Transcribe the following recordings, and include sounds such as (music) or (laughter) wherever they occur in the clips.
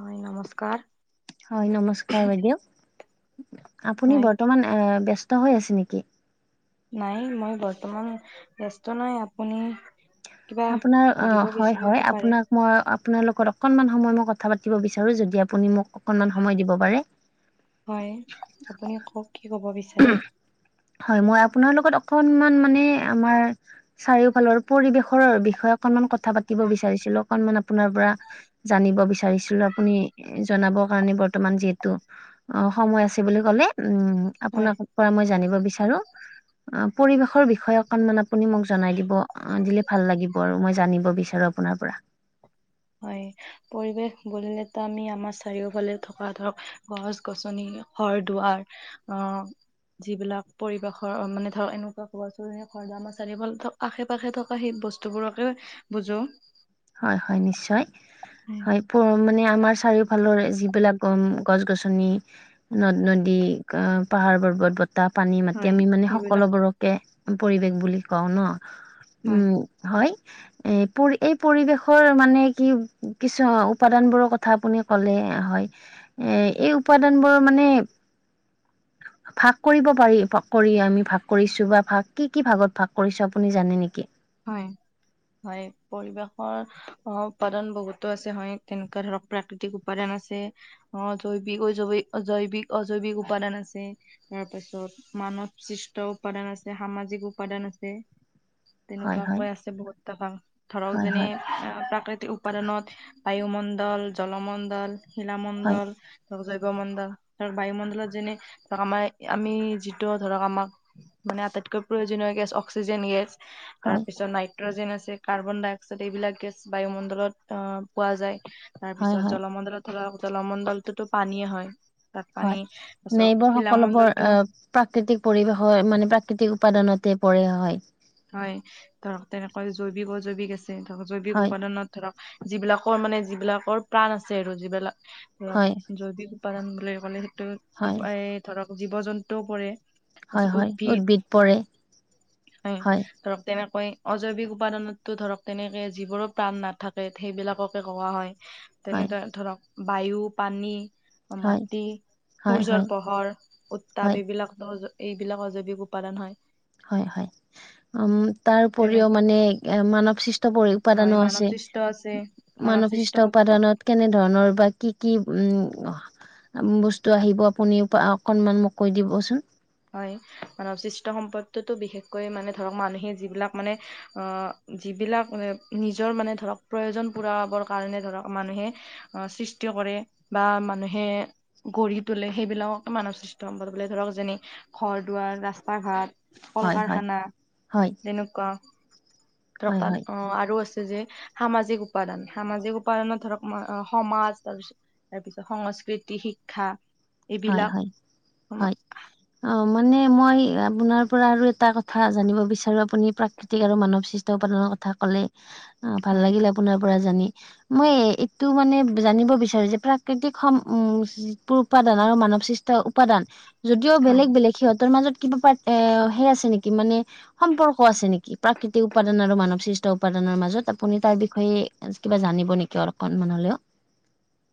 হয় নমস্কাৰ! হয় নমস্কাৰ বাইদেউ! আপুনি হয় বৰ্তমান ব্যস্ত হৈ আছে নেকি? নাই মই বৰ্তমান ব্যস্ত নাই। আপুনি? কিবা আপোনাৰ সুধিব অ' হয় বিচাৰে হয়, যদি পাৰে আপোনাক মই আপোনাৰ লগত অকণমান সময় মই কথা পাতিব বিচাৰো। যদি আপুনি মোক অকণমান সময় দিব পাৰে? হয় আপুনি কওক কি ক'ব বিচা হয় মই আপোনাৰ লগত অকনমান মানে আমাৰ চাৰিওফালৰ পৰিৱেশৰ বিষয়ে অকনমান কথা পাতিব বিচাৰিছিলো। অকণমান আপোনাৰ পৰা জানিব বিচাৰিছিলো। আপুনি জনাব (unintelligible) বৰ্তমান যিহেতু অ' সময় আছে বুলি কলে! উম, হয়। আপোনাৰ পৰা মই জানিব বিচাৰো। অ' পৰিবেশৰ বিষয়ে অকণমান আপুনি মোক জনাই দিব, দিলে ভাল লাগিব আৰু মই জানিব বিচাৰো আ আপোনাৰ পৰা। হয়, পৰিৱেশ বুলিলেতো আমি আমাৰ চাৰিওফালে থকা ধৰক গছ-গছনি ঘৰ-দুৱাৰ, অ'। যিবিলাক পৰিৱেশৰ মানে ধৰক এনেকুৱা (unintelligible) আশে-পাশে থকা সেই বস্তুবোৰকে বুজোঁ। হয়, হয়, নিশ্চয়। হয়! অ'! মানে, আমাৰ চাৰিওফালৰ যিবিলাক, উম! গছ-গছনি, নদ-নদী, অ' পাহাৰ-পৰ্বত, ব বতাহ, পানী-মাটি হয় আমি মানে, সেইবিলাক সকলোবোৰকে পৰিৱেশ বুলি কওঁ ন', হয় উম। হয়, এই পৰি, এই পৰিবেশৰ মানে, কি-কিছু উপাদানবোৰৰ কথা আপুনি ক'লে, হয়। এ, এই উপাদানবোৰ মানে, ভাগ কৰিব পাৰি, কৰি আমি ভাগ কৰিছোঁ বা ভাগ, কি কি ভাগত ভাগ কৰিছোঁ, আপুনি জানে নেকি? হয়! হয়, পৰিৱেশৰ উপাদান বহুতো আছে, হয়। কেনেকুৱা ধৰক, প্ৰাকৃতিক উপাদান আছে। অ' জৈৱিক-অজৈৱিক, জৈৱিক-অজৈৱিক উপাদান আছে। তাৰপাছত, মানৱসৃষ্ট উপাদান আছে, সামাজিক উপাদান আছে। হয় হয় তেনেকুৱাকৈ আছে, (unintelligible) ধৰক হয় যেনে, হয় প্ৰাকৃতিক উপাদনত, বায়ুমণ্ডল, জলমণ্ডল, হয় শিলামণ্ডল, জৈৱমণ্ডল, আৰু বায়ুমণ্ডলত যেনে, ধৰক আমাৰ, আমি যিটো ধৰক, আমাক মানে, আটাইতকৈ প্ৰয়োজনীয় গেছ, অক্সিজেন গেছ। তাৰপিছত, নাইট্ৰজেন আছে, কাৰ্বন ডাই অক্সাইড, এইবিলাক গেছ, বায়ুমণ্ডলত আঁ পোৱা যায়। হয় হয় তাৰপিছত, হয় জলমণ্ডলত ধৰক, জলমণ্ডলটোতো পানীয়ে হয়। তাত হয় পানী, মানে (unintelligible) এইবোৰ সকলোবোৰ শিলামণ্ডলটো আহ প্ৰাকৃতিক পৰিৱেশ হয়। মানে, প্ৰাকৃতিক উপাদানতে পৰে, হয়। হয়! ধৰক, তেনেকৈ জৈৱিক-অজৈৱিক আছে। ধৰক, জৈৱিক হয় উপাদানত ধৰক, যিবিলাকৰ মানে, যিবিলাকৰ প্ৰাণ আছে আৰু যিবিলাক ধৰক, হয় জৈৱিক উপাদান বুলি ক'লে, সেইটো। হয় এই ধৰক, জীৱ-জন্তুও পৰে। হয়, হয়! উদ্ভিদ পৰে, হয়। ধৰক তেনেকৈ, অজৈৱিক উপাদানতো ধৰক, তেনেকে যিবোৰৰ প্ৰাণ নাথাকে, সেইবিলাকক কোৱা হয়। হয় তেনেদৰে ধৰক, বায়ু, পানী, হয় মাটি, হয় সূৰ্যৰ হয় পোহৰ, উত্তাপ, হয় এইবিলাকতো এইবিলাকো জৈৱিক উপাদান হয়। হয়, হয়। উম, তাৰ উপৰিও তেনেকে মানে, এ, মানৱ সৃষ্ট পৰি, হয় উপাদানো মানৱ আছে। সৃষ্ট আছে মানৱ সৃষ্ট মানৱসৃষ্ট সম্পদ উপাদানত, কেনে ধৰণৰ বা কি-কি, উম! বস্তু আহিব, আপুনি অকনমান মোক কৈ দিবচোন। হয়, মানৱ সৃষ্ট সম্পদটোতো, বিশেষকৈ মানে, ধৰক মানুহে যিবিলাক মানে, অ' যিবিলাক, নিজৰ মানে ধৰক, প্ৰয়োজন পূৰাবৰ কাৰণে ধৰক, মানুহে অ' সৃষ্টি কৰে। বা মানুহে, গঢ়ি তোলে। সেইবিলাককে মানৱসৃষ্ট সম্পদ বোলে। ধৰক যেনে ঘৰ-দুৱাৰ, ৰাস্তা-ঘাট, হয় হয় কল-কাৰখানা, হয় তেনেকুৱা। ধৰক, হয় হয় তাত অ'! আৰু আছে। যে সামাজিক উপাদান, সামাজিক উপাদানত ধৰক, সমাজ। তাৰপিছত, তাৰপিছত, সংস্কৃতি, শিক্ষা। হয়, এইবিলাক হয়, হয়। অ'! মানে, মই আপোনাৰ পৰা আৰু এটা কথা জানিব বিচাৰোঁ, আপুনি প্ৰা কৃতিক আৰু মানৱ সৃষ্ট উৎপাদনৰ কথা ক'লে, ভাল হয় লাগিল, আপোনাৰ পৰা জানি। মই, এইটো মানে, জানিব বিচাৰোঁ যে, প্ৰাকৃতিক সম, (unintelligible) আৰু মানৱসৃষ্ট উপাদান, যদিও হয় বেলেগ-বেলেগ। সিহঁতৰ মাজত কিবা পাৰ এ সেই আছে নেকি মানে সম্পৰ্ক আছে নেকি প্ৰাকৃতিক উপাদান আৰু মানৱ সৃষ্ট উপাদানৰ মাজত? আপুনি তাৰ বিষয়ে কিবা জানিব নেকি অকনমান হলেও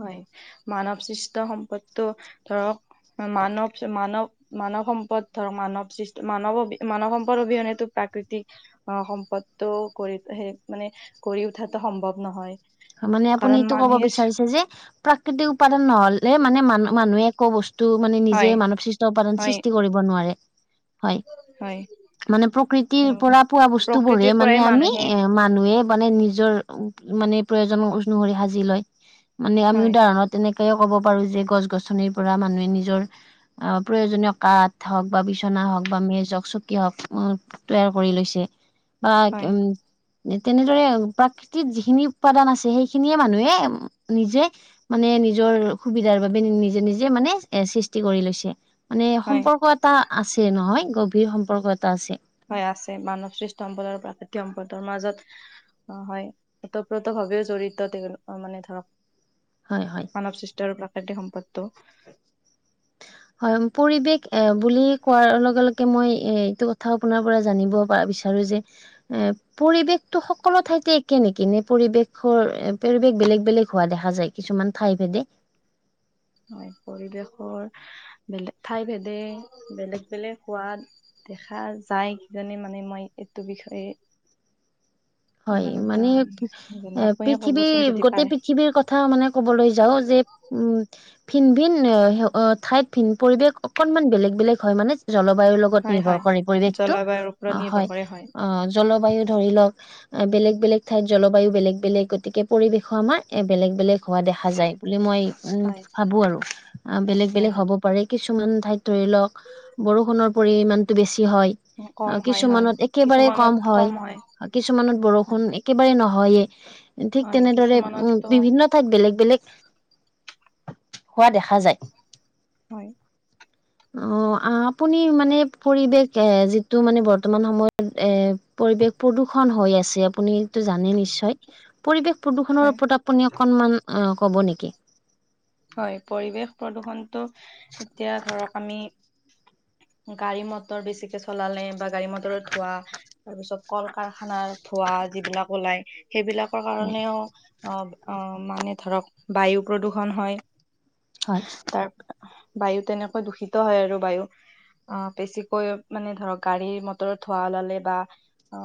হয় মানৱ সৃষ্ট সম্পদটো ধৰক মানৱ মানৱ মানৱ সম্পদ ধৰক মানৱ সৃষ্ট মানৱ অবি মানৱ সম্পদ অবিহনেটো প্ৰাকৃতিক অ সম্পদটো গঢ়ি সে মানে গঢ়ি উঠাটো সম্ভৱ নহয় মানে আপুনি কাৰণ এইটো কব মানুহে বিচাৰিছে যে প্ৰাকৃতিক উপাদান নহলে মানে মানু মানুহে একো বস্ স্তু মানে নিজে হয় মানৱ সৃষ্ট উপাদান হয় সৃষ্টি কৰিব নোৱাৰে হয় হয় মানে প্ৰকৃতিৰ তেনেকুৱা পৰা পোৱা বস্তুবোৰে প্ৰকৃতিৰ পৰাই মানে আমি মানুহে এ মানুহে মানে নিজৰ মানে প্ৰয়োজন অনুসৰি সাজি লয় মানে আমি হয় উদাহৰণত তেনেকে ক'ব পাৰো যে গছ গছনিৰ পৰা মানুহে নিজৰ আহ প্ৰয়োজনীয় কাঠ হক বা বিচনা হক বা মেজ হক, চকী হক তৈয়াৰ কৰি লৈছে বা হয় উম তেনেদৰে প্ৰাকৃতিক যিখিনি উপাদান আছে সেইখিনিয়ে মানুহে নিজে মানে নিজৰ সুবিধাৰ বাবে নিজে নিজে মানে এ সৃষ্টি কৰি লৈছে মানে হয় সম্পৰ্ক এটা আছে নহয় গভীৰ সম্পৰ্ক এটা আছে হয় আছে মানৱ সৃষ্ট সম্পদৰ, প্ৰাকৃতিক সম্পদৰ মাজত অ হয় অতঃপ্ৰত ভাৱেও জড়িত তেও মানে ধৰক হয় হয়। মানৱ সৃষ্ট আৰু প্ৰাকৃতিক সম্পদটো হয় পৰিৱেশ এ বুলি কোৱাৰ লগে লগে মই এ এইটো কথা আপোনাৰ পৰা জানিব পা বিছা ৰো যে এ পৰিৱেশটো সকলো ঠাইতে একে নেকি নে পৰিৱেশৰ এ পৰিৱেশ বেলেগ বেলেগ হোৱা দেখা যায় কিছুমান ঠাইভেদে হয় পৰিৱেশৰ বেলেগ ঠাই ভেদে বেলেগ বেলেগ হোৱা দেখা যায় কিজানি মানে মই এইটো বিষয়ে হয় ইমান এটা মানে জনা এ আপুনিয়ে ক'বচোন পৃথিৱীৰ যদি গোটেই পাৰে পৃথিৱীৰ কথা মানে ক'বলৈ যাওঁ যে উম ভিন ভিন এ ঠাইত ভিন পৰিবেশ অকনমান বেলেগ বেলেগ হয় মানে জলবায়ুৰ লগত হয় নিৰ্ভৰ হয় কৰে পৰিৱেশটো জলবায়ুৰ ওপৰত অ নিৰ্ভৰ হয় কৰে অ জলবায়ু ধৰিলক বেলেগ বেলেগ ঠাইত জলবায়ু বেলেগ বেলেগ গতিকে পৰিৱেশো আমাৰ এ বেলেগ বেলেগ হোৱা দেখা যায় বুলি মই উম হয় ভাবো আৰু আ বেলেগ হয় বেলেগ হয় হ'ব পাৰে কিছুমান ঠাইত ধৰি লওক বৰষুণৰ পৰিমাণটো বেছি হয় অ কম হয় হয় কিছুমানত একেবাৰে কম কিছুমানত হয় কিছুমানত বৰষুণ হয় একেবাৰে নহয়ে। ঠিক হয় তেনেদৰে উম কিছুমানতো বিভিন্ন ঠাইত বেলেগ বেলেগ হোৱা দেখা যায়। হয় (inaudible) অ আপুনি মানে পৰিৱেশ এ যিটো মানে বৰ্তমান সময়ত এ পৰিৱেশ প্ৰদূ খন হৈ আছে আপুনিটো জানেই নিশ্চয় পৰিৱেশ প্ৰদূষণৰ হয় ওপৰত আপ পুনি অকণমান অ ক'ব নেকি হয় পৰিৱেশ প্ৰদূষণটো এতিয়া ধৰক আমি গাড়ী মটৰ বেছিকে চলালে বা গাড়ী মটৰত ধোৱা তাৰ পিছত কল কাৰখানাৰ ধোঁৱা যিবিলাক ওলাই সেইবিলাক ৰ কাৰণেও অ অ মানে ধৰক বায়ু প্ৰদূৰষণ হয় হয়, তাৰ বায়ু তেনেকৈ দূষিত হয় আৰু বায়ু অ বেছিকৈ মানে ধৰক গাড়ীৰ মটৰত ধোঁৱা ওলালে বা অ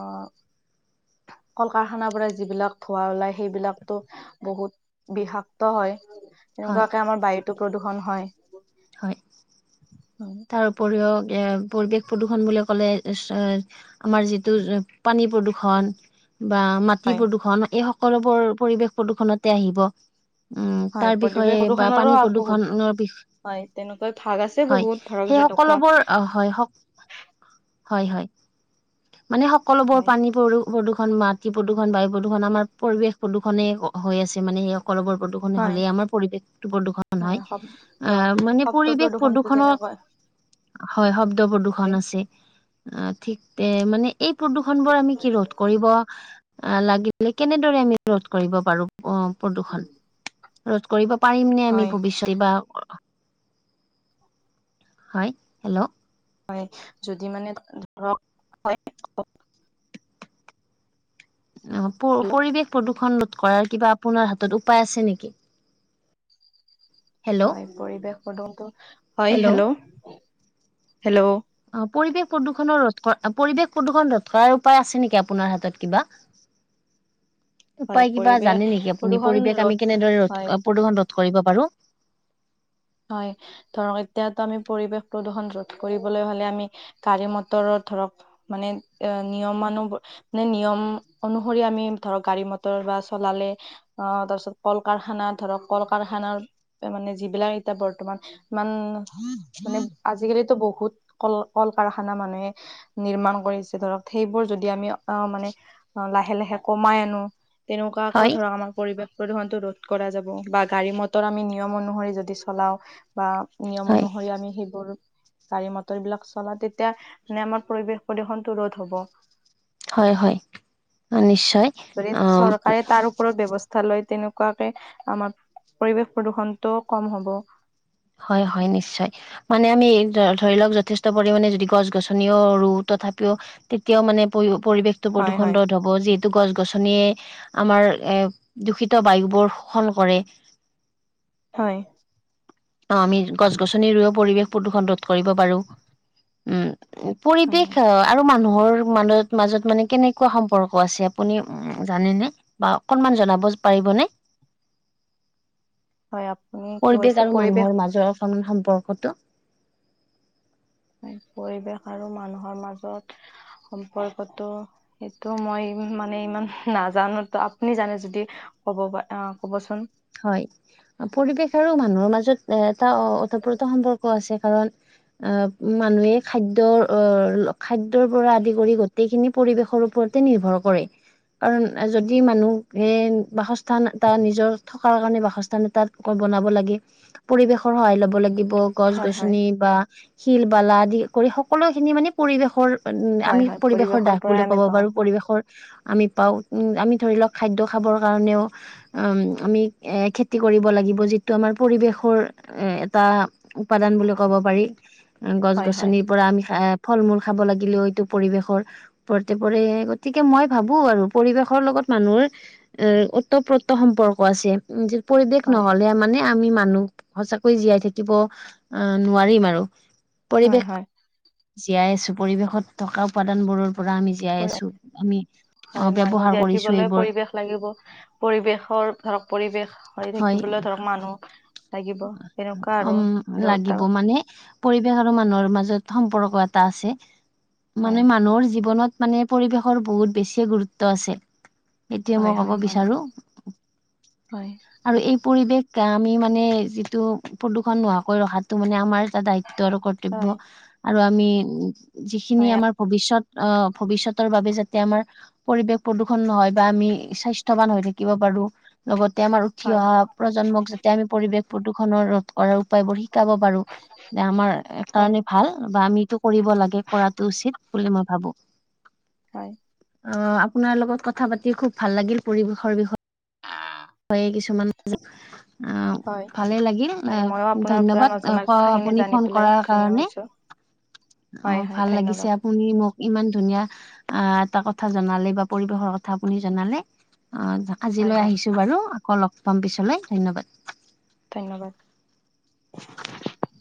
কল-কাৰখানাৰ পৰা যিবিলাক ধোঁৱা ওলাই সেইবিলাকতো বহুত বিষাক্ত হয় হয়, তেনেকুৱাকে আমাৰ বায়ুতো প্ৰদূৰষণ হয়। হয় উ তাৰ উপৰিও এ পৰিৱেশ প্ৰদূষণ বুলি ক'লে তাৰ পিছত আমাৰ যিটো পানী প্ৰদূষন বা মাটি হয় প্ৰদূষণ এই সক কলোবোৰ পৰিৱেশ প্ৰদূষণতে আহিব। উম হয় তাৰ প্ৰতিৱেশ বিষয়ে বা প্ৰদূষণৰো পানী বহুত প্ৰদূষণৰ বিষ হয় তেনেকৈ ভাগ আছে হয় বহুত ধৰক সেই যেনেকুৱা সকলোবোৰ অ হয় স হয় হয় মানে সকলোবোৰ হয়। পানী পদূ প্ৰদূৰষণ, মাটি প্ৰদূষণ, বায়ু প্ৰদূৰণ আমাৰ পৰিৱেশ প্ৰদূষণে হৈ আছে মানে সেই স কলোবোৰ প্ৰদূষণে হয় হ'লে আমাৰ পৰিৱেশটো প্ৰদূষণ হয়। শব ধৰক আহ মানে শব্দ পৰিৱেশ প্ৰদূষণটো প্ৰদূৰ্ষনৰ যেনেকুৱা হয় শব্দ হয় প্ৰদূৰ্ষন আছে। অ ঠিক তে মানে এই প্ৰদূষন বোৰ আমি কি ৰোধ কৰিব লাগিলে কেনেদৰে আমি ৰোধ কৰিব পাৰো অ প্ৰদূষন? ৰোধ কৰিব পাৰিম নে আমি হয় ভৱিষ্যতে বা হয় হেল্ল' হয় যদি মানে ধৰক হয় অ প পৰিৱেশ প্ৰদূষণ ৰোধ কৰাৰ কিবা আপোনাৰ হাতত উপায় আছে নেকি? হেল্ল' হয় পৰিৱেশ প্ৰদূষণটো হয় হেল্ল' হেল্ল' হেল্ল' অ পৰিৱেশ প্ৰদূষণৰ ৰোধ কৰা পৰিৱেশ প্ৰদূষণ ৰোধ কৰাৰ উপায় আছে নেকি আপোনাৰ হাতত কিবা? হয় উপায় কিবা পৰিৱেশ জানে নেকি আপুনি প্ৰদূষণ পৰিৱেশ ৰোধ আমি কেনেদৰে হয় ৰোধ প্ৰদূষণ ৰোধ কৰিব পাৰো হয় ধৰক এতিয়াতো আমি পৰিৱেশ প্ৰদূষণ ৰোধ কৰিবলৈ হলে আমি গাড়ী মটৰত ধৰক মানে এ নিয়মানু ব মানে নিয়ম অনুসৰি আমি ধৰক গাড়ী মটৰ বা চলালে অ তাৰপিছত কল কাৰখানা ধৰক কল কাৰখানাৰ মানে যিবিলাক এতিয়া বৰ্তমান ইমান মানে আজি-কালিতো বহুত কল কল কাৰখানা মানুহে নিৰ্মাণ কৰিছে ধৰক সেইবোৰ যদি আমি অ', মানে অ', লাহে লাহে কমাই আনো তেনেকুৱাকৈ হয় ধৰক আমাৰ পৰিৱেশ প্ৰদূষণ টো ৰোধ কৰা যাব বা গাড়ী মটৰ আমি নিয়ম অনুসৰি যদি চলাওঁ বা নিয়ম হয় অনুসৰি আমি সিবোৰো গাড়ী, মটৰ বিলাক চলা তেতিয়া নিয়মত পৰিৱেশ প্ৰদূষণটো ৰোধ হ'ব। হয় হয়, নিশ্চয় যদি অ' চৰকাৰে তাৰ ওপৰত ব্যৱস্থা লৈ তেনেকুৱাকে আমাৰ পৰিৱেশ প্ৰদূ্ষনটো ক'ম হ'ব। হয় হয় নিশ্চয় মানে আমি এই ধৰি লক যথেষ্ট পৰিমাণে যদি গছ-গছনিও ৰুও তথাপিও তেতিয়াও মানে পৰি-পৰিৱেশ হয় প্ৰদূষণ হয় ৰোধ হ'ব যিটো গছ-গছনিয়ে আমাৰ এ দূষিত বায়ু বোৰ শোষণ কৰে। হয়। অ', আমি গছ-গছনি ৰুইয়ো পৰিৱেশ প্ৰদূষণ ৰোধ কৰিব পাৰো উম। উ হয় পৰিৱেশ হয় অ', আৰু মানুহৰ মাজত মাজত মানে কেনেকুৱা সম্পৰ্ক আছে আপুনি উ জানেনে? বা অকনমান জনাব পাৰিবনে। হয় আপুনি কি পৰিৱেশ কৈছে আৰু মানুহৰ মাজৰ অকমান সম্পৰ্কটো। হয় পৰিৱেশ আৰু মানুহৰ মাজত, সম্পৰ্কটো সেইটো মই মানে ইমান নাজানো, ত আপুনি জানে যদি ক'ব পাৰে অ', ক'ব চোন। হয়। পৰিৱেশ আৰু মানুহৰ মাজত এ এটা ওতঃপ্ৰত সম্পৰ্ক আছে কাৰণ অ', মানুহে খাদ্যৰ অ', খাদ্যৰ পৰা আদি কৰি গোটেইখিনি পৰিৱেশৰ ওপৰতে নিৰ্ভৰ কৰে। কাৰণ যদি মানুহে বাসস্থান এটা নিজৰ থকাৰ কাৰণে বাসস্থান এটাত বনাব লাগে, পৰিবেশৰ সহায় ল'ব লাগিব। গছ, হয় হয় গছনি বা শিল, বালা আদি কৰি সকলো খিনি মানে পৰিৱেশৰ উম হয় আমি হয় পৰিৱেশৰ দাগ পৰাই বুলি আমি ক'ব পাওঁ পাৰো পৰিৱেশৰ। আমি পাও, উম আমি ধৰি লওক খাদ্য খাবৰ কাৰণেও উম আমি এ খেতি কৰিব লাগিব যিটো আমাৰ পৰিৱেশৰ উম এটা উপাদান বুলি ক'ব পাৰি, গছ, হয় হয় গছনি পৰা আমি ফ'ল মূল খাব লাগিলেও এইটো পৰিৱেশৰ। পৰতে পৰে, গতিকে মই ভাবো আৰু পৰিবেশৰ লগত মানুহৰ এ ওতঃপ্ৰত সম্পৰ্ক আছে পৰিৱেশ হয় নহ'লে মানে আমি মানুহ, সঁচাকৈয় জীয়াই থাকিব আহ নোৱাৰিম আৰু, হয় পৰিৱেশ হয় জীয়াই আছো পৰিৱেশত থকা উপাদান বোৰৰ পৰা আমি। জীয়াই আছো আমি হয় অ', মানুহ ব্যৱহাৰ জীয়াই কৰিছো থাকিবলৈ এইবোৰ। পৰিৱেশ লাগিব, পৰিৱেশৰ ধৰক পৰিৱেশ হৈ হয় থাকিবলৈ ধৰক মানুহ লাগিব তেনেকুৱা উম আৰু লাগিব দুটা। মানে পৰিৱেশ আৰু মানুহৰ মাজত সম্পৰ্ক এটা আছে, হয় মানে মানুহৰ জীৱনত মানে পৰিৱেশৰ বহুত বেছিয়ে গুৰুত্ব আছে। এতিয়া হয় মই ক'ব হয় মানুহ বিচাৰো। হয় আৰু এই পৰিৱেশ আমি মানে যিটো প্ৰদূষণ নোহোৱাকৈ ৰখা যিটো মানে আমাৰ এটা দায়িত্ব আৰু হয় কৰ্তব্য, আৰু আমি যিখিনি হয় আমাৰ ভৱিষ্যৎ আহ ভৱিষ্যতৰ বাবে যাতে আমাৰ পৰিৱেশ প্ৰদূষণ নহয় বা আমি স্বাস্থ্যৱান হৈ থাকিব পাৰো লগতে আমাৰ উঠি হয় অহা প্ৰজন্মক যাতে আমি পৰিৱেশ প্ৰদূষণৰ ৰোধ কৰা উপায়বোৰ শিকাব পাৰো, যে আমাৰ এক হয় কাৰণে ভাল বা আমিটো কৰিব লাগে কৰাটো উচিত বুলি মই ভাবো। হ'য় অ, আপোনাৰ লগত কথা পাতি খুব ভাল লাগিল পৰিৱেশৰ বিষয়ে। হ'য় কিছুমান আ' হয় ভালেই লাগিল হয় ময়ো আপোনাৰ পৰা ধন্যবাদ, নজনা কথাখিনি আপুনি জানি ফোন পেলাই কৰাৰ ধন্য কাৰণে। হৈছো অ, হয় হয় ভাল লাগিছে। ধন্যবাদ শুনি, মোক ইমান ধুনীয়াঁ অ এটা কথা জনালে বা পৰিৱেশৰ কথা আপুনি জনালে। অ, হয় আজিলৈ হয় আহিছোঁ বাৰু। আকৌ লগ পাম পিছলৈ ধন্যবাদ। ধন্যবাদ (inaudible)